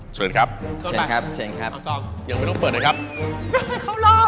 เชิญครับโชนไปเอาซองยังไม่ต้องเปิดนะครับโชนไป